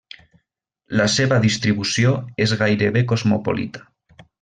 La seva distribució és gairebé cosmopolita.